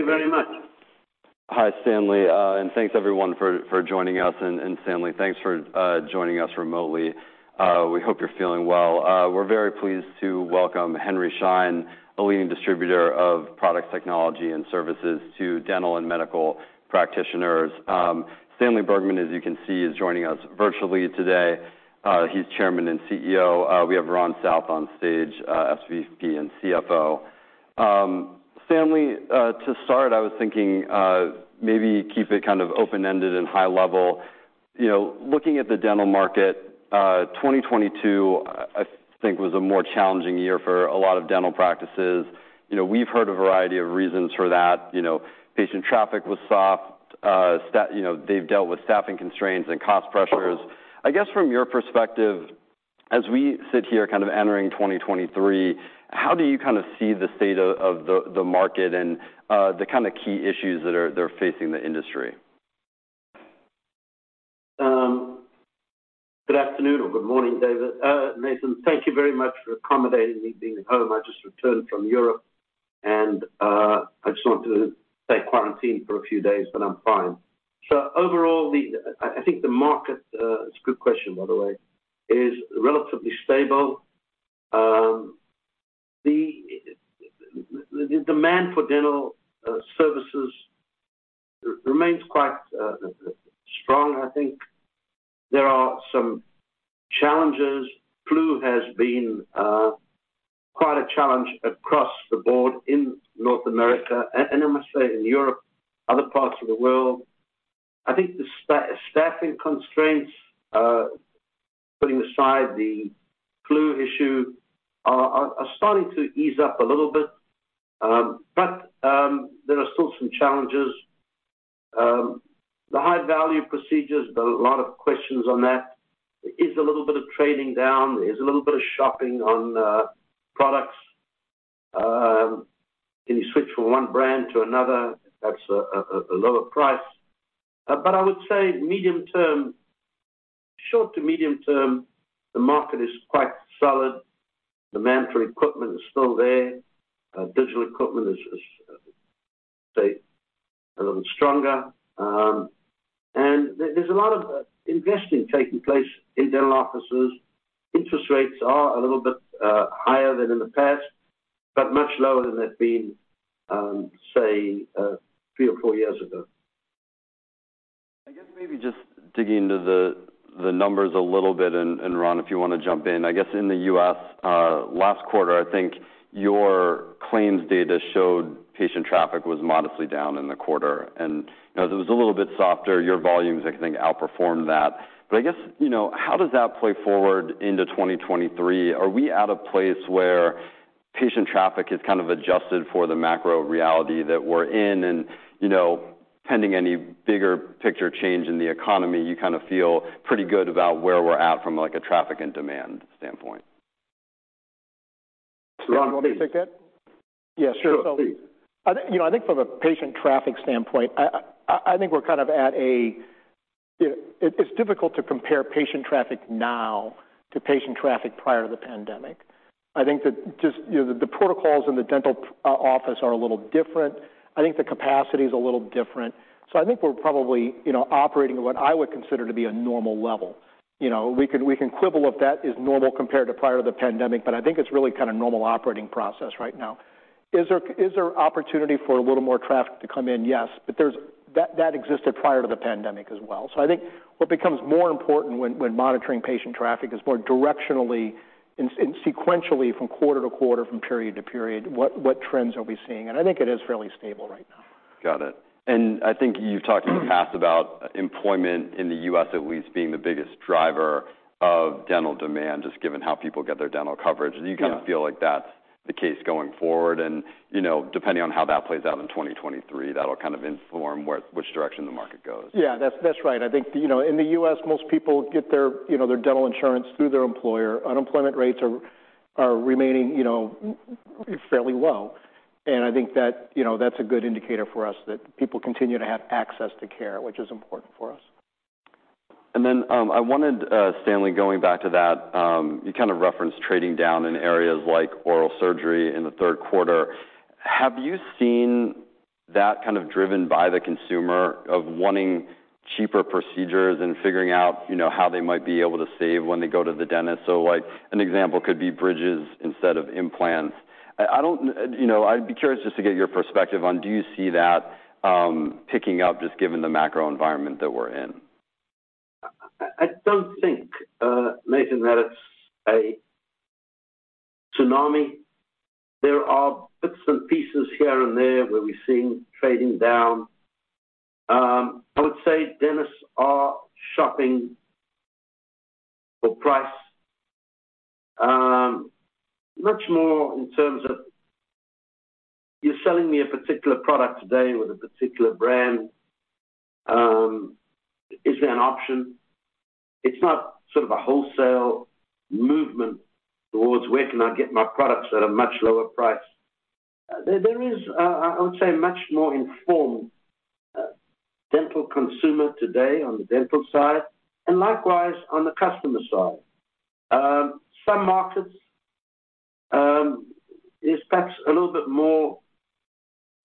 Thank you very much. Hi, Stanley. Thanks everyone for joining us. And Stanley, thanks for joining us remotely. We hope you're feeling well. We're very pleased to welcome Henry Schein, a leading distributor of products, technology and services to dental and medical practitioners. Stanley Bergman, as you can see, is joining us virtually today. He's chairman and CEO. We have Ron South on stage, SVP and CFO. Stanley, to start, I was thinking maybe keep it kind of open-ended and high level. You know, looking at the dental market, 2022 I think was a more challenging year for a lot of dental practices. You know, we've heard a variety of reasons for that. You know, patient traffic was soft. You know, they've dealt with staffing constraints and cost pressures. I guess from your perspective, as we sit here kind of entering 2023, how do you kind of see the state of the market and the kind of key issues that are facing the industry? Good afternoon or good morning, David. Nathan, thank you very much for accommodating me being at home. I just returned from Europe, and I just want to stay quarantined for a few days, but I'm fine. Overall, I think the market, it's a good question, by the way, is relatively stable. The demand for dental services remains quite strong, I think. There are some challenges. Flu has been quite a challenge across the board in North America, and I must say in Europe, other parts of the world. I think the staffing constraints, putting aside the flu issue, are starting to ease up a little bit. There are still some challenges. The high value procedures, there are a lot of questions on that. There is a little bit of trading down. There's a little bit of shopping on products. Can you switch from one brand to another that's a lower price? I would say medium term-- short to medium term, the market is quite solid. Demand for equipment is still there. Digital equipment is, say, a little stronger. There's a lot of investing taking place in dental offices. Interest rates are a little bit higher than in the past, but much lower than they've been, say, 3 or 4 years ago. I guess maybe just digging into the numbers a little bit, and Ron, if you wanna jump in. I guess in the U.S. last quarter, I think your claims data showed patient traffic was modestly down in the quarter. You know, it was a little bit softer. Your volumes, I think, outperformed that. I guess, you know, how does that play forward into 2023? Are we at a place where patient traffic is kind of adjusted for the macro reality that we're in? You know, pending any bigger picture change in the economy, you kind of feel pretty good about where we're at from, like, a traffic and demand standpoint. Ron, please. You want me to take that? Yeah, sure. Sure, please. You know, I think from a patient traffic standpoint, I think we're kind of at a. It's difficult to compare patient traffic now to patient traffic prior to the pandemic. I think that just, you know, the protocols in the dental office are a little different. I think the capacity is a little different. I think we're probably, you know, operating at what I would consider to be a normal level. You know, we can quibble if that is normal compared to prior to the pandemic, but I think it's really kind of normal operating process right now. Is there opportunity for a little more traffic to come in? Yes. That existed prior to the pandemic as well. I think what becomes more important when monitoring patient traffic is more directionally and sequentially from quarter-to-quarter, from period to period, what trends are we seeing? I think it is fairly stable right now. Got it. I think you've talked in the past about employment in the U.S. at least being the biggest driver of dental demand, just given how people get their dental coverage. Yeah. Do you kind of feel like that's the case going forward? You know, depending on how that plays out in 2023, that'll kind of inform which direction the market goes. Yeah, that's right. I think, you know, in the U.S., most people get their, you know, their dental insurance through their employer. Unemployment rates are remaining, you know, fairly well. I think that, you know, that's a good indicator for us that people continue to have access to care, which is important for us. Then, I wanted, Stanley, going back to that, you kind of referenced trading down in areas like oral surgery in the third quarter. Have you seen that kind of driven by the consumer of wanting cheaper procedures and figuring out, you know, how they might be able to save when they go to the dentist? Like, an example could be bridges instead of implants. I don't. You know, I'd be curious just to get your perspective on, do you see that picking up just given the macro environment that we're in? I don't think, Nathan, that it's a tsunami. There are bits and pieces here and there where we're seeing trading down. I would say dentists are shopping for price much more in terms of you're selling me a particular product today with a particular brand, is there an option? It's not sort of a wholesale movement towards where can I get my products at a much lower price. There is, I would say much more informed dental consumer today on the dental side and likewise on the customer side. Some markets is perhaps a little bit more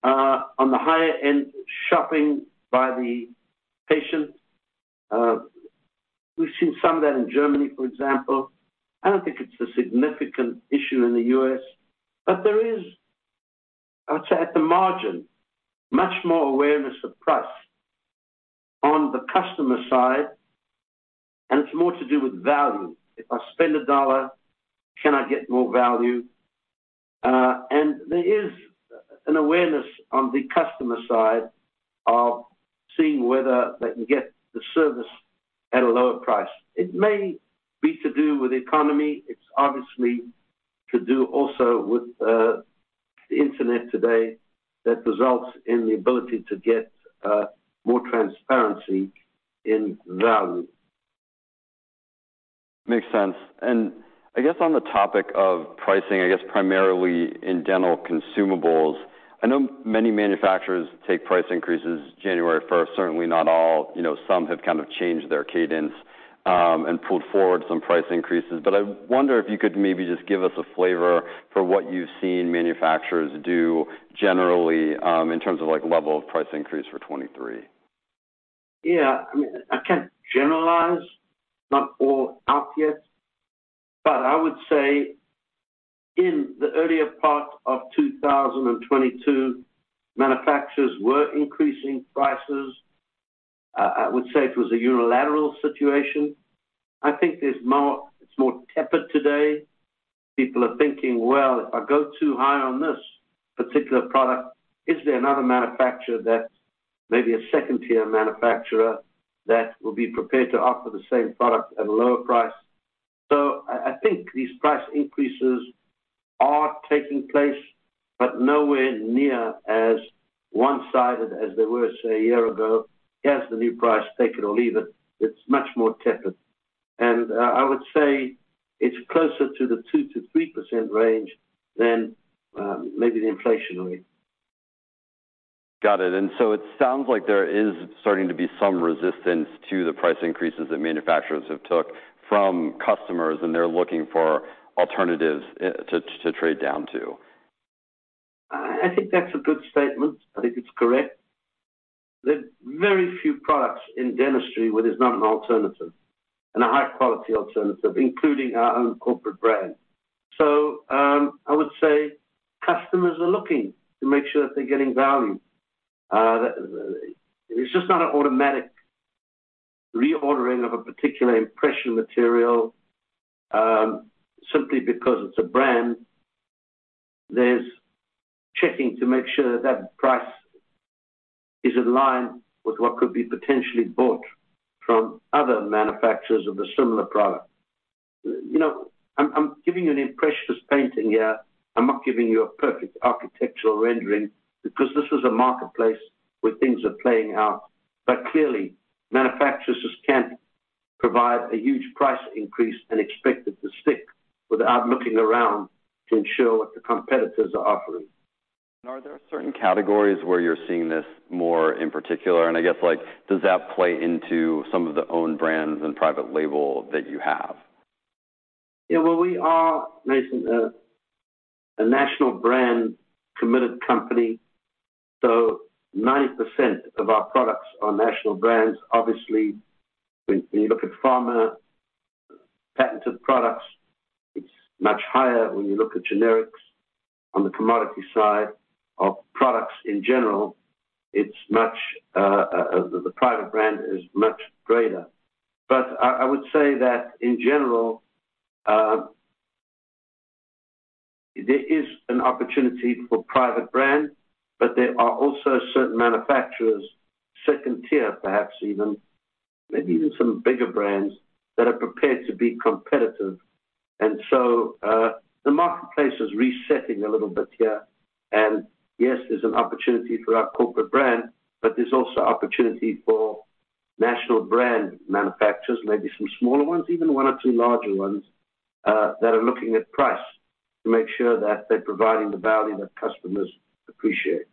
on the higher end shopping by the patient. We've seen some of that in Germany, for example. I don't think it's a significant issue in the U.S., but there is, I would say at the margin, much more awareness of price on the customer side, and it's more to do with value. If I spend $1, can I get more value? There is an awareness on the customer side of seeing whether they can get the service at a lower price. It may be to do with economy. It's obviously to do also with the internet today that results in the ability to get more transparency in value. Makes sense. I guess on the topic of pricing, I guess, primarily in dental consumables, I know many manufacturers take price increases January 1st. Certainly not all. You know, some have kind of changed their cadence, and pulled forward some price increases. I wonder if you could maybe just give us a flavor for what you've seen manufacturers do generally, in terms of, like, level of price increase for 2023. Yeah. I mean, I can't generalize. Not all out yet. I would say in the earlier part of 2022, manufacturers were increasing prices. I would say it was a unilateral situation. I think it's more tepid today. People are thinking, "Well, if I go too high on this particular product, is there another manufacturer that's maybe a second-tier manufacturer that will be prepared to offer the same product at a lower price?" I think these price increases are taking place, but nowhere near as one-sided as they were, say, a year ago. Here's the new price. Take it or leave it. It's much more tepid. I would say it's closer to the 2%-3% range than maybe the inflation rate. Got it. It sounds like there is starting to be some resistance to the price increases that manufacturers have took from customers, and they're looking for alternatives, to trade down to. I think that's a good statement. I think it's correct. There's very few products in dentistry where there's not an alternative and a high-quality alternative, including our own corporate brand. I would say customers are looking to make sure that they're getting value. It's just not an automatic reordering of a particular impression material simply because it's a brand. There's checking to make sure that that price is in line with what could be potentially bought from other manufacturers of a similar product. You know, I'm giving you an impressionist painting here. I'm not giving you a perfect architectural rendering because this is a marketplace where things are playing out. Clearly, manufacturers just can't provide a huge price increase and expect it to stick without looking around to ensure what the competitors are offering. Are there certain categories where you're seeing this more in particular? I guess, like, does that play into some of the own brands and private label that you have? Yeah. Well, we are, Mason, a national brand committed company, so 90% of our products are national brands. Obviously, when you look at pharma patented products, it's much higher. When you look at generics on the commodity side of products in general, it's much, the private brand is much greater. But I would say that in general, there is an opportunity for private brand, but there are also certain manufacturers, second tier perhaps even, maybe even some bigger brands that are prepared to be competitive. The marketplace is resetting a little bit here. Yes, there's an opportunity for our corporate brand, but there's also opportunity for national brand manufacturers, maybe some smaller ones, even one or two larger ones, that are looking at price to make sure that they're providing the value that customers appreciate.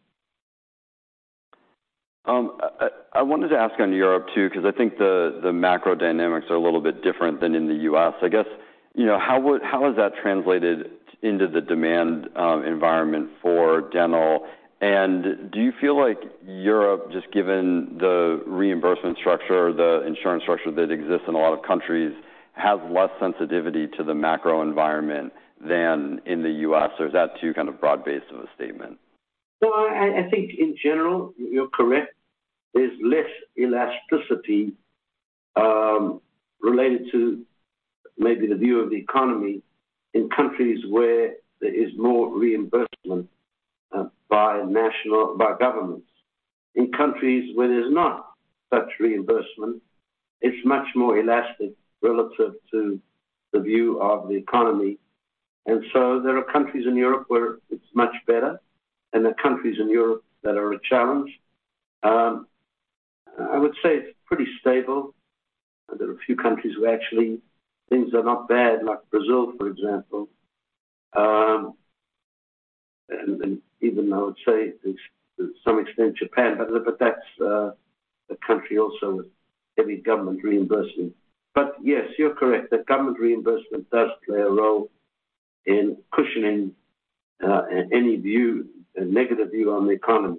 I wanted to ask on Europe too, because I think the macro dynamics are a little bit different than in the U.S. I guess, you know, how has that translated into the demand environment for dental? Do you feel like Europe, just given the reimbursement structure, the insurance structure that exists in a lot of countries, has less sensitivity to the macro environment than in the U.S., or is that too kind of broad-based of a statement? No, I think in general, you're correct. There's less elasticity, related to maybe the view of the economy in countries where there is more reimbursement, by governments. In countries where there's not such reimbursement, it's much more elastic relative to the view of the economy. There are countries in Europe where it's much better, and there are countries in Europe that are a challenge. I would say it's pretty stable. There are a few countries where actually things are not bad, like Brazil, for example. Then even I would say to some extent Japan, but that's a country also with heavy government reimbursement. Yes, you're correct. The government reimbursement does play a role in cushioning, any view, a negative view on the economy.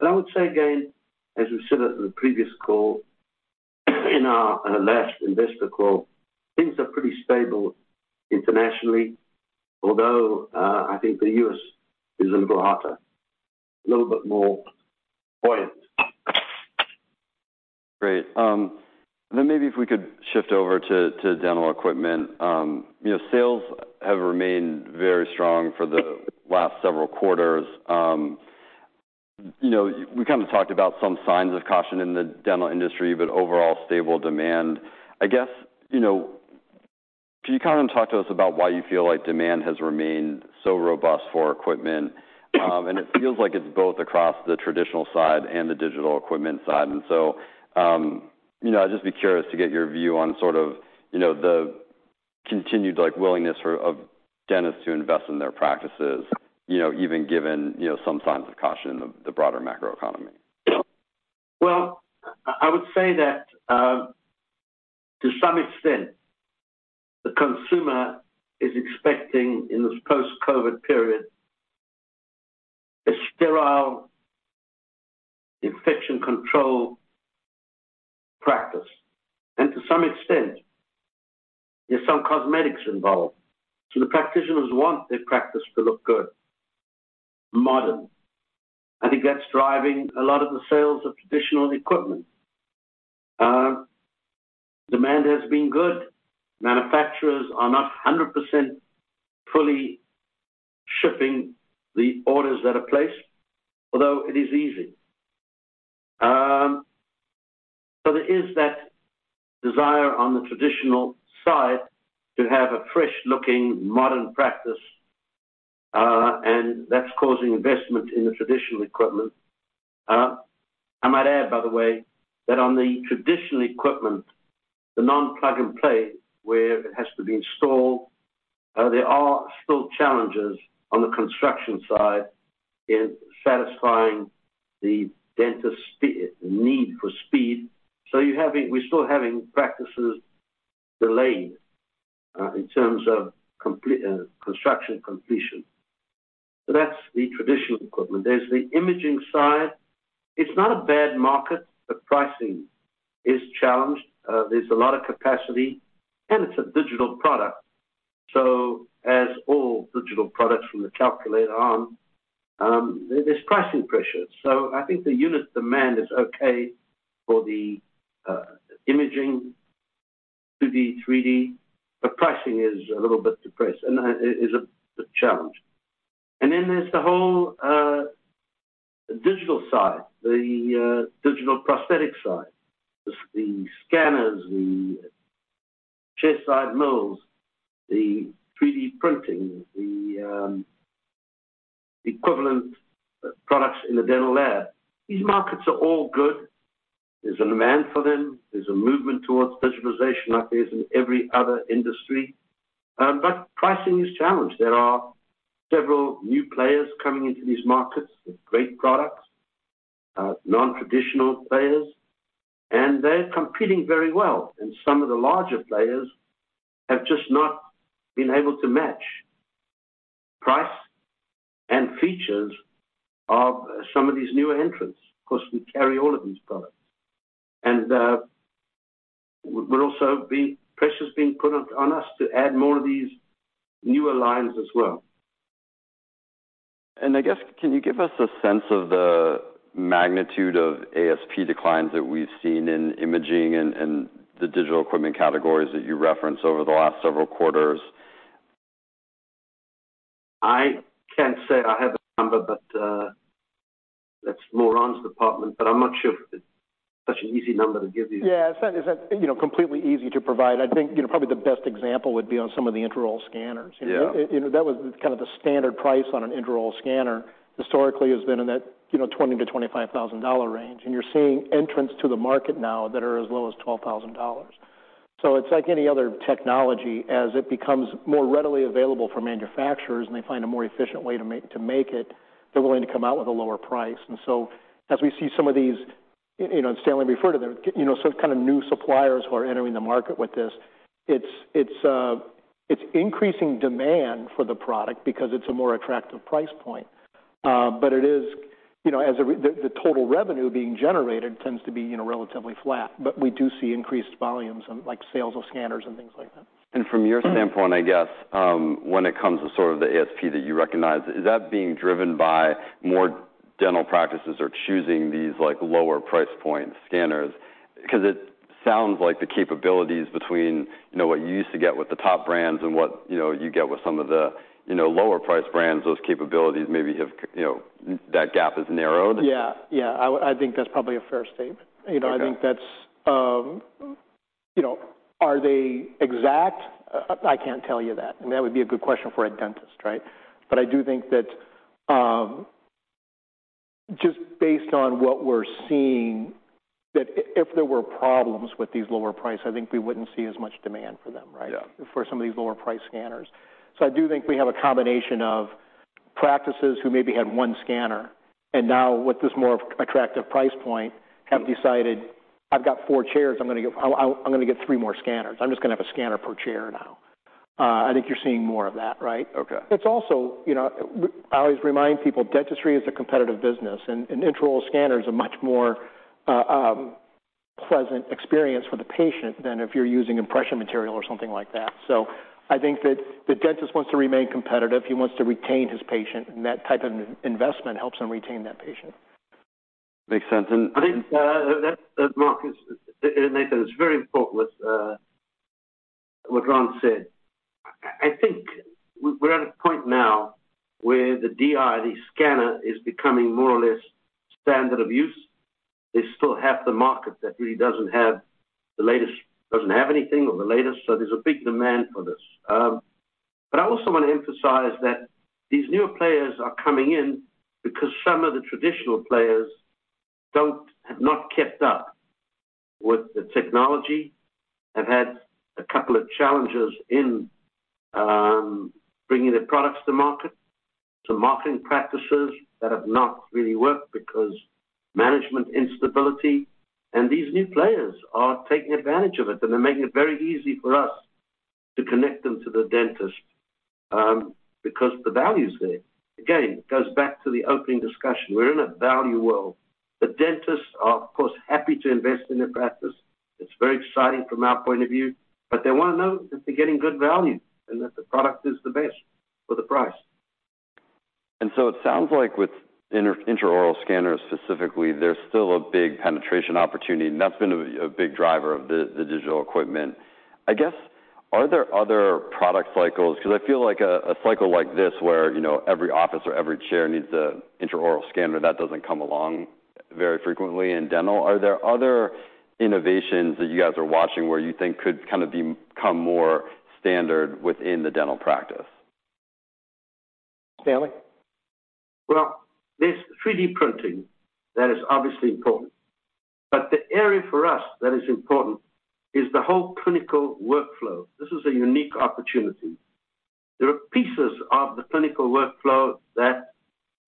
I would say again, as we said at the previous call, in our last investor call, things are pretty stable internationally, although, I think the U.S. is a little hotter. A little bit more buoyant. Great. Maybe if we could shift over to dental equipment. You know, sales have remained very strong for the last several quarters. You know, we kind of talked about some signs of caution in the dental industry, but overall stable demand. I guess, you know, can you kind of talk to us about why you feel like demand has remained so robust for equipment? It feels like it's both across the traditional side and the digital equipment side. You know, I'd just be curious to get your view on sort of, you know, the continued, like, willingness for, of dentists to invest in their practices, you know, even given, you know, some signs of caution in the broader macroeconomy. I would say that to some extent, the consumer is expecting, in this post-COVID period, a sterile infection control practice. To some extent, there's some cosmetics involved. The practitioners want their practice to look good, modern. I think that's driving a lot of the sales of traditional equipment. Demand has been good. Manufacturers are not 100% fully shipping the orders that are placed, although it is easy. There is that desire on the traditional side to have a fresh-looking, modern practice, and that's causing investment in the traditional equipment. I might add, by the way, that on the traditional equipment, the non plug-and-play, where it has to be installed, there are still challenges on the construction side in satisfying the dentist the need for speed. We're still having practices delayed in terms of construction completion. That's the traditional equipment. There's the imaging side. It's not a bad market, but pricing is challenged. There's a lot of capacity, and it's a digital product. As all digital products from the calculator on, there's pricing pressure. I think the unit demand is okay for the imaging, 2D, 3D, but pricing is a little bit depressed and is a challenge. There's the whole digital side. The digital prosthetic side. The scanners, the chairside mills, the 3D printing, the equivalent products in the dental lab. These markets are all good. There's a demand for them. There's a movement towards digitalization like there is in every other industry. Pricing is challenged. There are several new players coming into these markets with great products. Non-traditional players, and they're competing very well. Some of the larger players have just not been able to match price and features of some of these new entrants. Of course, we carry all of these products. Also the pressure's being put on us to add more of these newer lines as well. I guess, can you give us a sense of the magnitude of ASP declines that we've seen in imaging and the digital equipment categories that you referenced over the last several quarters? I can't say I have a number, but, that's Ron South's department, but I'm not sure if it's such an easy number to give you. Yeah. It's not, you know, completely easy to provide. I think, you know, probably the best example would be on some of the intraoral scanners. Yeah. You know, that was kind of the standard price on an intraoral scanner. Historically has been in that, you know, $20,000-$25,000 range. You're seeing entrants to the market now that are as low as $12,000. It's like any other technology. As it becomes more readily available for manufacturers and they find a more efficient way to make it, they're willing to come out with a lower price. As we see some of these, you know, and Stanley referred to them, you know, sort of, kind of new suppliers who are entering the market with this, it's, it's increasing demand for the product because it's a more attractive price point. But it is, you know, the total revenue being generated tends to be, you know, relatively flat. We do see increased volumes on, like, sales of scanners and things like that. From your standpoint, I guess, when it comes to sort of the ASP that you recognize, is that being driven by more dental practices are choosing these, like, lower price point scanners? It sounds like the capabilities between, you know, what you used to get with the top brands and what, you know, you get with some of the, you know, lower priced brands, those capabilities maybe have, you know, that gap has narrowed. Yeah. Yeah. I think that's probably a fair statement. You know. Okay. I think that's, you know. Are they exact? I can't tell you that. I mean, that would be a good question for a dentist, right? I do think that, just based on what we're seeing, that if there were problems with these lower price, I think we wouldn't see as much demand for them, right? Yeah. For some of these lower price scanners. I do think we have a combination of practices who maybe had 1 scanner, and now with this more attractive price point, have decided, "I've got 4 chairs, I'm gonna get 3 more scanners. I'm just gonna have a scanner per chair now." I think you're seeing more of that, right? Okay. It's also, you know, I always remind people, dentistry is a competitive business and intraoral scanners are much more pleasant experience for the patient than if you're using impression material or something like that. I think that the dentist wants to remain competitive. He wants to retain his patient, and that type of investment helps him retain that patient. Makes sense. I think that Mark Nathan, it's very important what Ron said. I think we're at a point now where the DI, the scanner is becoming more or less standard of use. There's still half the market that really doesn't have anything or the latest, so there's a big demand for this. I also wanna emphasize that these newer players are coming in because some of the traditional players have not kept up with the technology, have had a couple of challenges in bringing their products to market. Some marketing practices that have not really worked because management instability, and these new players are taking advantage of it, and they're making it very easy for us to connect them to the dentist, because the value is there. Again, it goes back to the opening discussion. We're in a value world. The dentists are, of course, happy to invest in their practice. It's very exciting from our point of view, but they wanna know that they're getting good value and that the product is the best for the price. It sounds like with intraoral scanners specifically, there's still a big penetration opportunity, and that's been a big driver of the digital equipment. I guess, are there other product cycles? 'Cause I feel like a cycle like this where, you know, every office or every chair needs a intraoral scanner, that doesn't come along very frequently in dental. Are there other innovations that you guys are watching where you think could kind of become more standard within the dental practice? Stanley? There's 3D printing that is obviously important. The area for us that is important is the whole clinical workflow. This is a unique opportunity. There are pieces of the clinical workflow that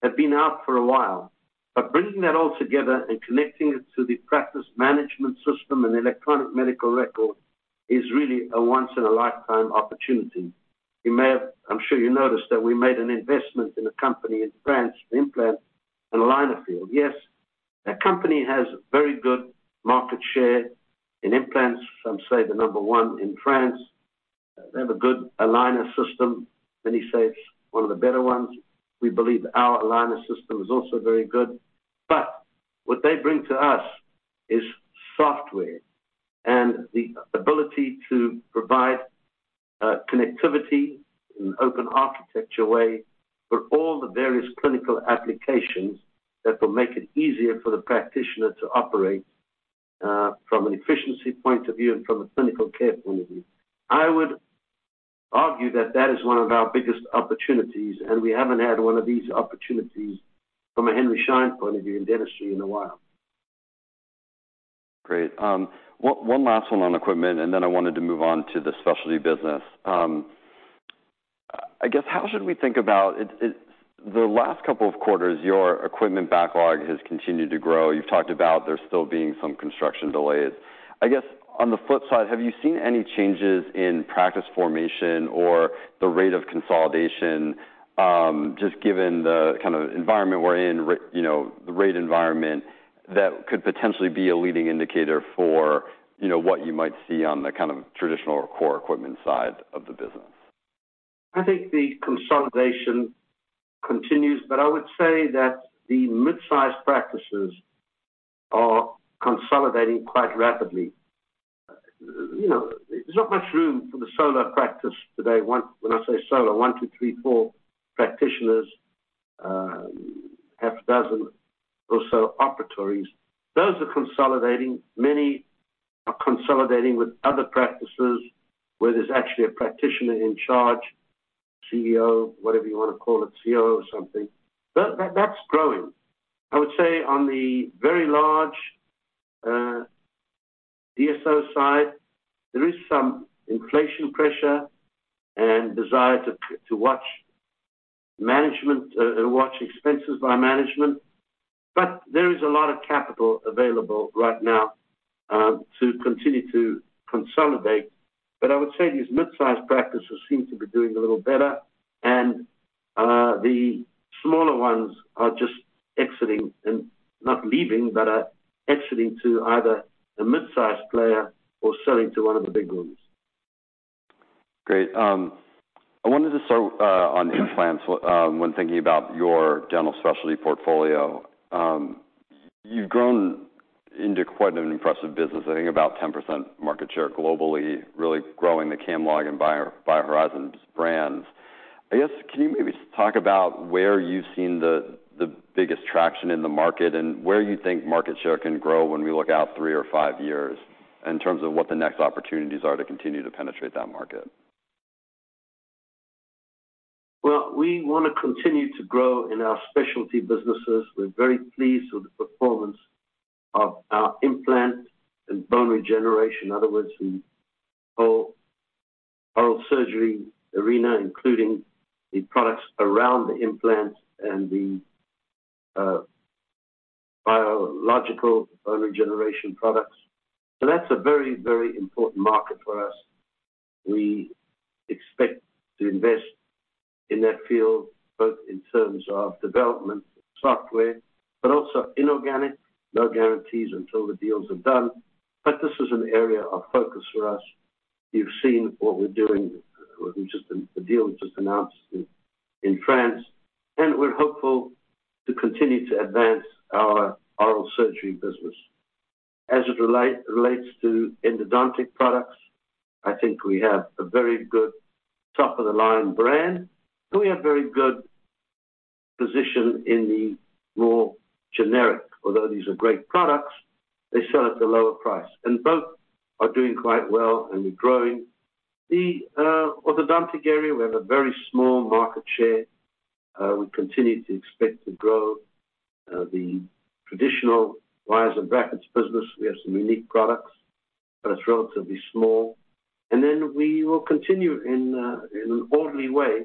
have been out for a while, but bringing that all together and connecting it to the practice management system and electronic medical record is really a once in a lifetime opportunity. I'm sure you noticed that we made an investment in a company in France, implant and aligner field. That company has very good market share in implants. Some say the number one in France. They have a good aligner system. Many say it's one of the better ones. We believe our aligner system is also very good. What they bring to us is software and the ability to provide connectivity in an open architecture way for all the various clinical applications that will make it easier for the practitioner to operate from an efficiency point of view and from a clinical care point of view. I would argue that that is one of our biggest opportunities. We haven't had one of these opportunities from a Henry Schein point of view in dentistry in a while. Great. one last one on equipment, and then I wanted to move on to the specialty business. I guess how should we think about... the last couple of quarters, your equipment backlog has continued to grow. You've talked about there still being some construction delays. I guess on the flip side, have you seen any changes in practice formation or the rate of consolidation, just given the kind of environment we're in, you know, the rate environment that could potentially be a leading indicator for, you know, what you might see on the kind of traditional or core equipment side of the business? I think the consolidation continues, but I would say that the mid-sized practices are consolidating quite rapidly. You know, there's not much room for the solo practice today. When I say solo, 1 to 3, 4 practitioners, half dozen or so operatories. Those are consolidating. Many are consolidating with other practices where there's actually a practitioner in charge, CEO, whatever you wanna call it, COO or something. That's growing. I would say on the very large DSO side, there is some inflation pressure and desire to watch management, watch expenses by management. There is a lot of capital available right now, to continue to consolidate. I would say these mid-sized practices seem to be doing a little better, and the smaller ones are just exiting and not leaving, but are exiting to either a mid-sized player or selling to one of the big rooms. Great. I wanted to start on implants when thinking about your dental specialty portfolio. You've grown into quite an impressive business, I think about 10% market share globally, really growing the Camlog and BioHorizons brands. I guess, can you maybe talk about where you've seen the biggest traction in the market and where you think market share can grow when we look out 3 or 5 years in terms of what the next opportunities are to continue to penetrate that market? Well, we wanna continue to grow in our specialty businesses. We're very pleased with the performance of our implant and bone regeneration. In other words, the whole oral surgery arena, including the products around the implant and the biological bone regeneration products. That's a very, very important market for us. We expect to invest in that field, both in terms of development software, but also inorganic. No guarantees until the deals are done, but this is an area of focus for us. You've seen what we're doing, which is the deal just announced in France, and we're hopeful to continue to advance our oral surgery business. As it relates to endodontic products, I think we have a very good top-of-the-line brand, and we have very good position in the more generic. Although these are great products, they sell at a lower price, and both are doing quite well, and we're growing. The orthodontic area, we have a very small market share. We continue to expect to grow the traditional wires and brackets business. We have some unique products, but it's relatively small. We will continue in an orderly way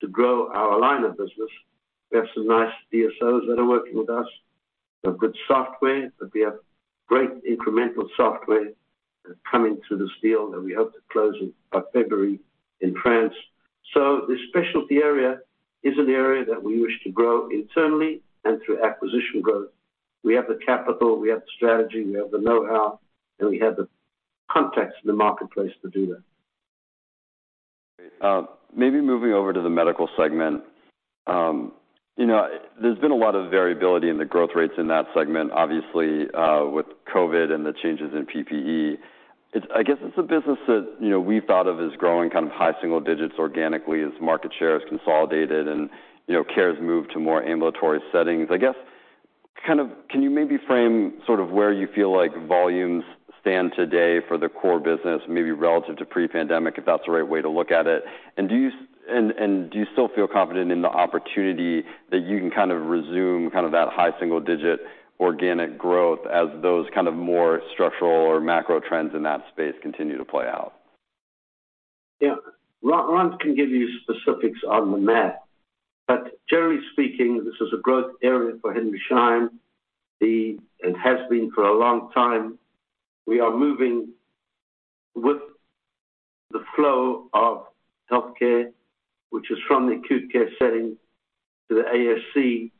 to grow our aligner business. We have some nice DSOs that are working with us, a good software, but we have great incremental software coming through this deal that we hope to close in, by February in France. The specialty area is an area that we wish to grow internally and through acquisition growth. We have the capital, we have the strategy, we have the know-how, and we have the context in the marketplace to do that. Maybe moving over to the medical segment. You know, there's been a lot of variability in the growth rates in that segment, obviously, with COVID and the changes in PPE. I guess it's a business that, you know, we thought of as growing kind of high single-digits organically as market share has consolidated and, you know, care has moved to more ambulatory settings. I guess, kind of, can you maybe frame sort of where you feel like volumes stand today for the core business, maybe relative to pre-pandemic, if that's the right way to look at it? Do you still feel confident in the opportunity that you can kind of resume kind of that high single-digit organic growth as those kind of more structural or macro trends in that space continue to play out? Yeah. Ron can give you specifics on the math, but generally speaking, this is a growth area for Henry Schein. It has been for a long time. We are moving with the flow of healthcare, which is from the acute care setting to the ASC,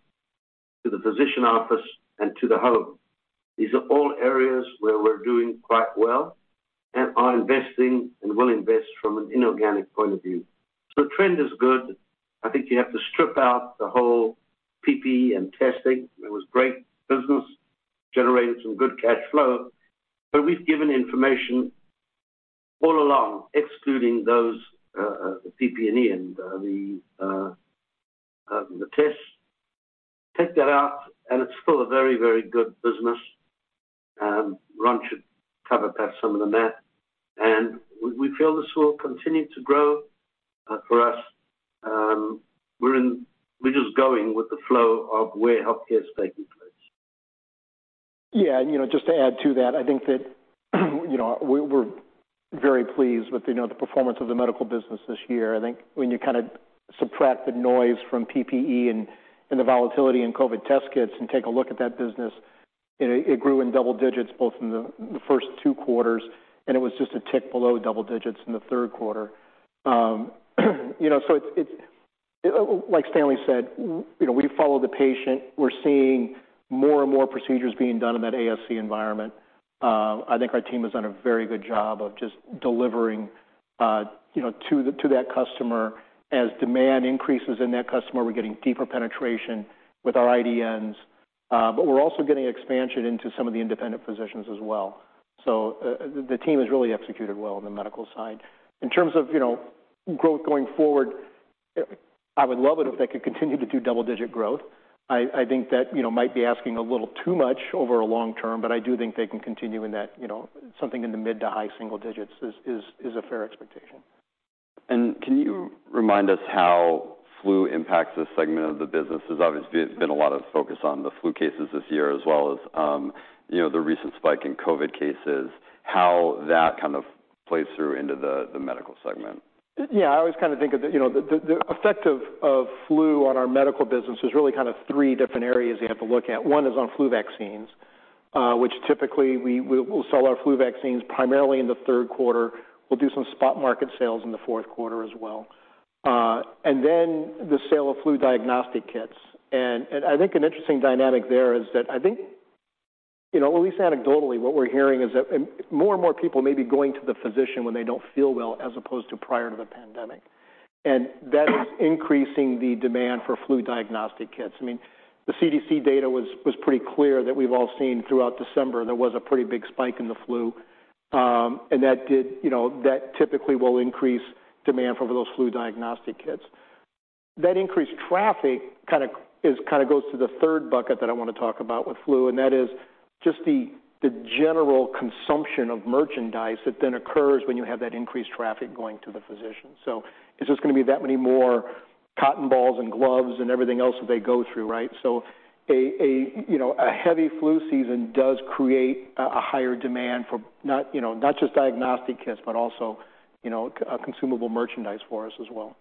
to the physician office, and to the home. These are all areas where we're doing quite well and are investing and will invest from an inorganic point of view. Trend is good. I think you have to strip out the whole PPE and testing. It was great business, generated some good cash flow, but we've given information all along, excluding those, the PPE and the tests. Take that out, and it's still a very, very good business. Ron should cover perhaps some of the math. We feel this will continue to grow for us. We're just going with the flow of where healthcare is taking place. Yeah. You know, just to add to that, I think that, you know, we're very pleased with, you know, the performance of the medical business this year. I think when you kind of subtract the noise from PPE and the volatility in COVID test kits and take a look at that business, it grew in double digits, both in the first two quarters, and it was just a tick below double digits in the third quarter. You know, it's like Stanley said, you know, we follow the patient. We're seeing more and more procedures being done in that ASC environment. I think our team has done a very good job of just delivering, you know, to that customer. As demand increases in that customer, we're getting deeper penetration with our IDNs, but we're also getting expansion into some of the independent physicians as well. The team has really executed well on the medical side. In terms of, you know, growth going forward, I would love it if they could continue to do double-digit growth. I think that, you know, might be asking a little too much over a long term, but I do think they can continue in that, you know, something in the mid to high single digits is a fair expectation. Can you remind us how flu impacts this segment of the business? There's obviously been a lot of focus on the flu cases this year, as well as, you know, the recent spike in COVID cases, how that kind of plays through into the medical segment. Yeah. I always kind of think of the, you know, the effect of flu on our medical business. There's really kind of three different areas you have to look at. One is on flu vaccines, which typically we will sell our flu vaccines primarily in the third quarter. We'll do some spot market sales in the fourth quarter as well. The sale of flu diagnostic kits. I think an interesting dynamic there is that, you know, at least anecdotally, what we're hearing is that more and more people may be going to the physician when they don't feel well as opposed to prior to the pandemic. That is increasing the demand for flu diagnostic kits. I mean, the CDC data was pretty clear that we've all seen throughout December there was a pretty big spike in the flu. That did, you know, that typically will increase demand for those flu diagnostic kits. That increased traffic kind of goes to the third bucket that I wanna talk about with flu, and that is just the general consumption of merchandise that then occurs when you have that increased traffic going to the physician. It's just gonna be that many more cotton balls and gloves and everything else that they go through, right? A, you know, a heavy flu season does create a higher demand for not, you know, not just diagnostic kits, but also, you know, a consumable merchandise for us as well.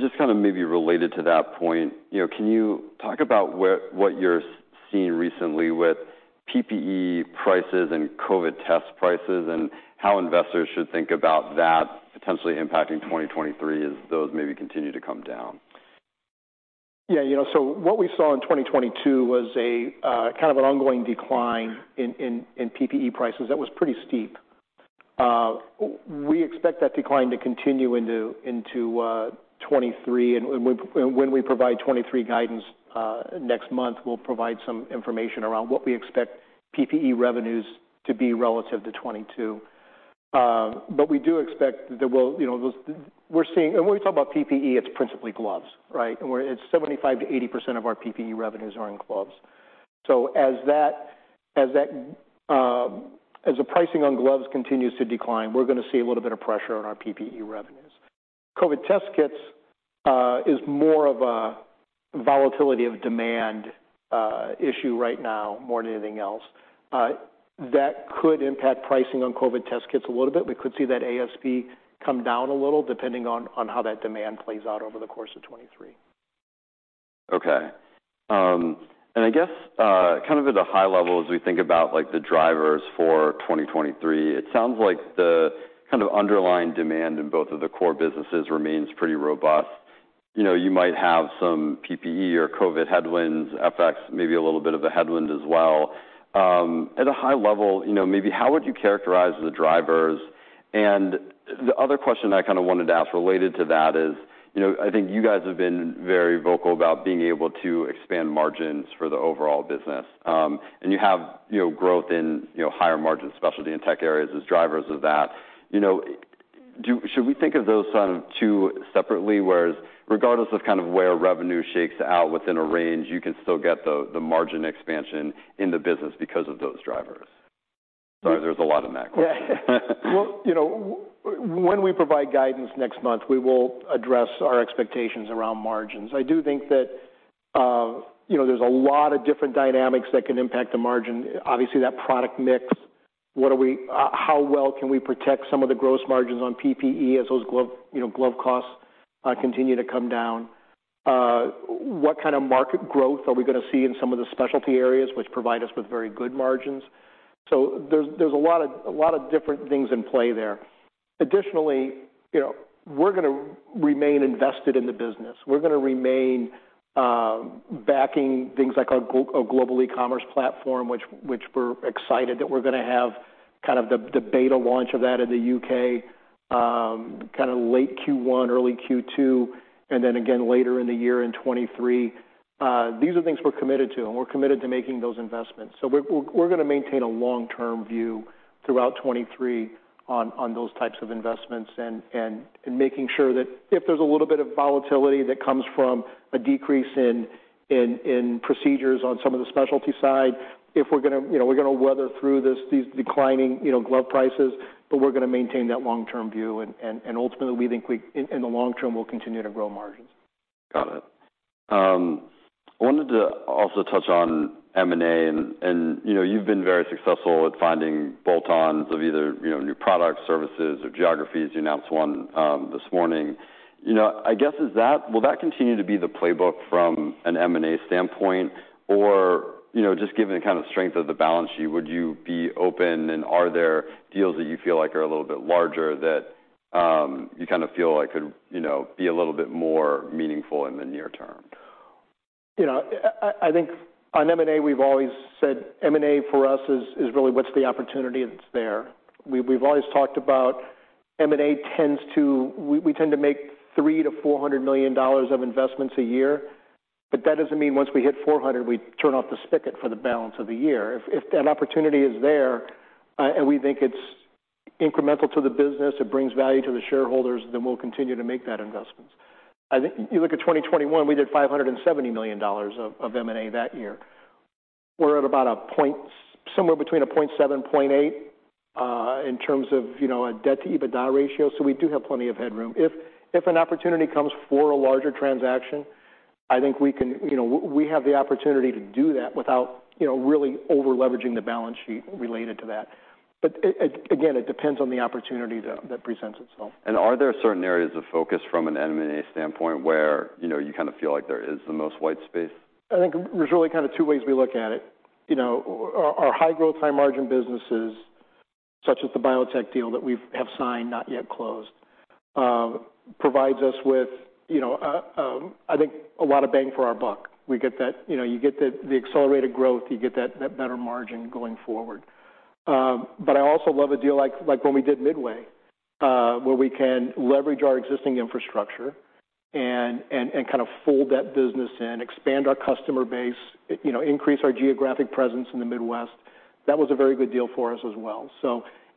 Just kind of maybe related to that point, you know, can you talk about what you're seeing recently with PPE prices and COVID test prices, and how investors should think about that potentially impacting 2023 as those maybe continue to come down? Yeah. You know, what we saw in 2022 was a kind of an ongoing decline in PPE prices that was pretty steep. We expect that decline to continue into 2023. When we provide 2023 guidance next month, we'll provide some information around what we expect PPE revenues to be relative to 2022. We do expect that there will, you know. When we talk about PPE, it's principally gloves, right? At 75%-80% of our PPE revenues are in gloves. As the pricing on gloves continues to decline, we're gonna see a little bit of pressure on our PPE revenues. COVID test kits is more of a volatility of demand issue right now more than anything else. That could impact pricing on COVID test kits a little bit. We could see that ASP come down a little, depending on how that demand plays out over the course of 2023. Okay. I guess, kind of at a high level as we think about, like, the drivers for 2023, it sounds like the kind of underlying demand in both of the core businesses remains pretty robust. You know, you might have some PPE or COVID headwinds, FX maybe a little bit of a headwind as well. At a high level, you know, maybe how would you characterize the drivers? The other question I kind of wanted to ask related to that is, you know, I think you guys have been very vocal about being able to expand margins for the overall business. You have, you know, growth in, you know, higher margins, specialty and tech areas as drivers of that. You know, Should we think of those kind of two separately, whereas regardless of kind of where revenue shakes out within a range, you can still get the margin expansion in the business because of those drivers? Sorry, there's a lot in that question. Well, you know, when we provide guidance next month, we will address our expectations around margins. I do think that, you know, there's a lot of different dynamics that can impact the margin. Obviously, that product mix. How well can we protect some of the gross margins on PPE as those glove costs continue to come down? What kind of market growth are we gonna see in some of the specialty areas which provide us with very good margins? There's a lot of different things in play there. Additionally, you know, we're gonna remain invested in the business. We're gonna remain backing things like our global e-commerce platform, which we're excited that we're gonna have kind of the beta launch of that in the UK kinda late Q1, early Q2, and then again later in the year in 2023. These are things we're committed to, we're committed to making those investments. We're gonna maintain a long-term view throughout 2023 on those types of investments and making sure that if there's a little bit of volatility that comes from a decrease in procedures on some of the specialty side, we're gonna weather through this, these declining, you know, glove prices. We're gonna maintain that long-term view, and ultimately, we think we in the long term will continue to grow margins. Got it. I wanted to also touch on M&A. You know, you've been very successful at finding bolt-ons of either, you know, new products, services, or geographies. You announced one this morning. You know, I guess, Will that continue to be the playbook from an M&A standpoint? You know, just given the kind of strength of the balance sheet, would you be open, and are there deals that you feel like are a little bit larger that, you kind of feel like could, you know, be a little bit more meaningful in the near term? You know, I think on M&A, we've always said M&A for us is really what's the opportunity that's there. We've always talked about M&A. We tend to make $300 million-$400 million of investments a year, but that doesn't mean once we hit 400, we turn off the spigot for the balance of the year. If an opportunity is there, and we think it's incremental to the business, it brings value to the shareholders, then we'll continue to make that investment. I think you look at 2021, we did $570 million of M&A that year. We're at about somewhere between a 0.7-0.8 in terms of, you know, a debt-to-EBITDA ratio, so we do have plenty of headroom. If an opportunity comes for a larger transaction, I think we can, you know, we have the opportunity to do that without, you know, really over-leveraging the balance sheet related to that. Again, it depends on the opportunity that presents itself. Are there certain areas of focus from an M&A standpoint where, you know, you kinda feel like there is the most white space? I think there's really kind of two ways we look at it. You know, our high growth, high margin businesses, such as the biotech deal that we've signed, not yet closed, provides us with, you know, I think a lot of bang for our buck. We get that, you know, you get the accelerated growth, you get that better margin going forward. I also love a deal like when we did Midway, where we can leverage our existing infrastructure and kind of fold that business in, expand our customer base, you know, increase our geographic presence in the Midwest. That was a very good deal for us as well.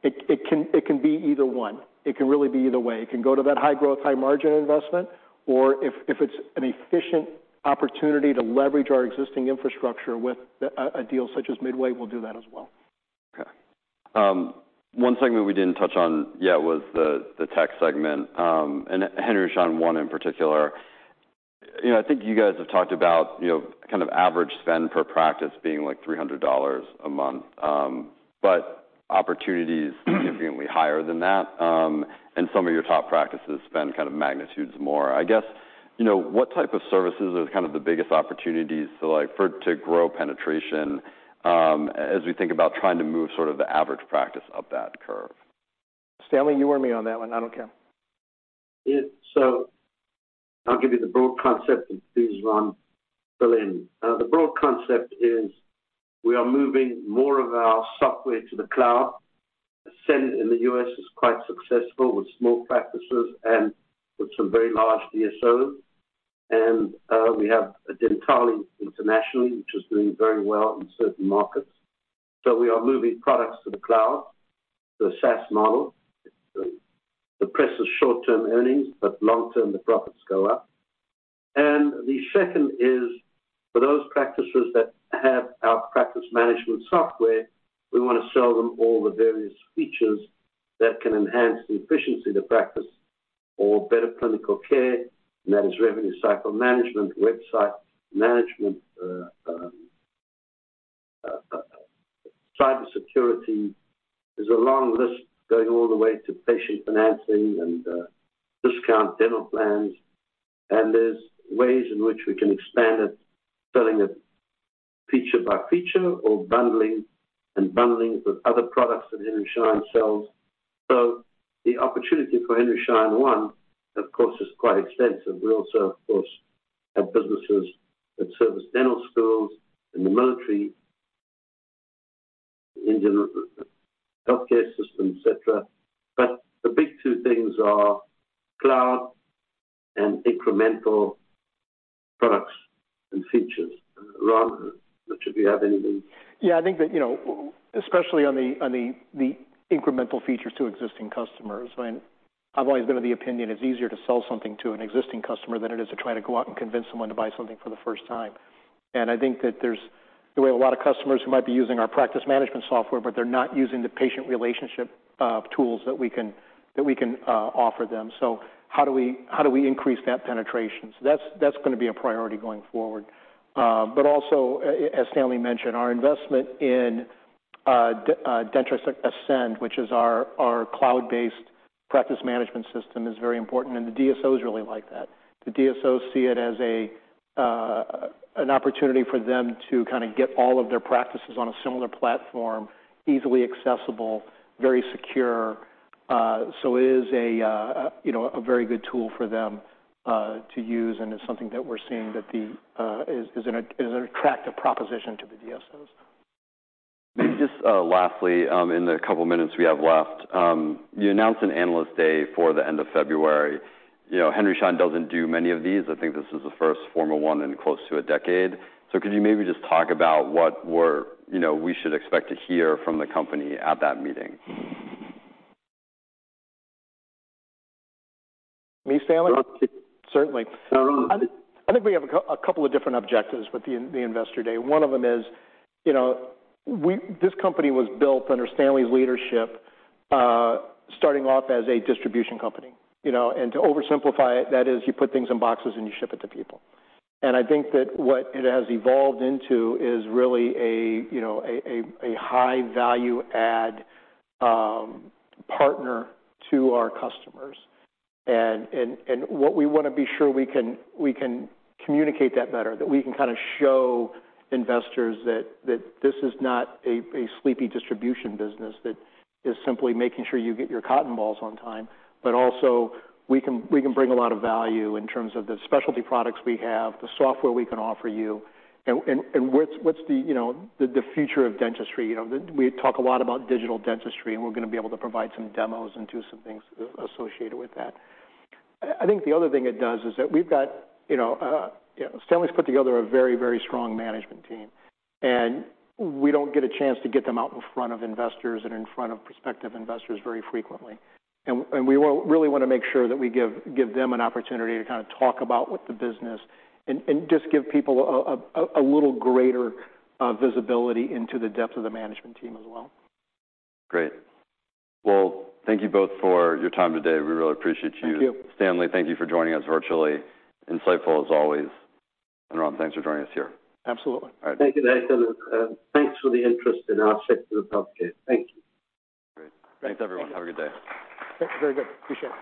It can be either one. It can really be either way. It can go to that high growth, high margin investment, or if it's an efficient opportunity to leverage our existing infrastructure with a deal such as Midway, we'll do that as well. Okay. One segment we didn't touch on yet was the tech segment. Henry Schein One in particular. You know, I think you guys have talked about, you know, kind of average spend per practice being, like, $300 a month. Opportunities significantly higher than that. Some of your top practices spend kind of magnitudes more. I guess, you know, what type of services is kind of the biggest opportunities so like for to grow penetration, as we think about trying to move sort of the average practice up that curve? Stanley, you or me on that one? I don't care. Yeah. I'll give you the broad concept, and please, Ron, fill in. The broad concept is we are moving more of our software to the cloud. Dentrix Ascend in the U.S. is quite successful with small practices and with some very large DSOs. We have Dentally internationally, which is doing very well in certain markets. We are moving products to the cloud, the SaaS model. It depresses short-term earnings, but long-term, the profits go up. The second is, for those practices that have our practice management software, we wanna sell them all the various features that can enhance the efficiency of the practice or better clinical care, and that is revenue cycle management, website management, cybersecurity. There's a long list going all the way to patient financing and discount dental plans. There's ways in which we can expand it, selling it feature by feature or bundling, and bundling with other products that Henry Schein sells. The opportunity for Henry Schein One, of course, is quite extensive. We also, of course, have businesses that service dental schools in the military, in the healthcare system, et cetera. The big two things are cloud and incremental products and features. Ron, don't know if you have anything. Yeah, I think that, you know, especially on the, on the incremental features to existing customers, I mean, I've always been of the opinion it's easier to sell something to an existing customer than it is to try to go out and convince someone to buy something for the first time. I think that there's really a lot of customers who might be using our practice management software, but they're not using the patient relationship tools that we can, that we can offer them. How do we, how do we increase that penetration? That's, that's gonna be a priority going forward. Also, as Stanley mentioned, our investment in Dentrix Ascend, which is our cloud-based practice management system, is very important, and the DSOs really like that. The DSOs see it as an opportunity for them to kinda get all of their practices on a similar platform, easily accessible, very secure. So it is a, you know, a very good tool for them, to use, and it's something that we're seeing that the, is an attractive proposition to the DSOs. Maybe just, lastly, in the couple minutes we have left, you announced an Analyst Day for the end of February. You know, Henry Schein doesn't do many of these. I think this is the first formal one in close to a decade. Could you maybe just talk about, you know, we should expect to hear from the company at that meeting? Me, Stanley? Ron, please. Certainly. No, Ron. I think we have a couple of different objectives with the Investor Day. One of them is, you know, this company was built under Stanley's leadership, starting off as a distribution company, you know. To oversimplify it, that is you put things in boxes, and you ship it to people. I think that what it has evolved into is really a, you know, a high value add partner to our customers. What we wanna be sure we can communicate that better, that we can kinda show investors that this is not a sleepy distribution business that is simply making sure you get your cotton balls on time, but also we can bring a lot of value in terms of the specialty products we have, the software we can offer you, and what's the, you know, the future of dentistry, you know. We talk a lot about digital dentistry, and we're gonna be able to provide some demos and do some things associated with that. I think the other thing it does is that we've got, you know, you know, Stanley's put together a very, very strong management team, and we don't get a chance to get them out in front of investors and in front of prospective investors very frequently. We really wanna make sure that we give them an opportunity to kinda talk about what the business. Just give people a little greater visibility into the depth of the management team as well. Great. Well, thank you both for your time today. We really appreciate you. Thank you. Stanley, thank you for joining us virtually. Insightful as always. Ron, thanks for joining us here. Absolutely. All right. Thank you, Nathan. Thanks for the interest in our sector of healthcare. Thank you. Great. Thanks, everyone. Have a good day. Thank you. Very good. Appreciate it.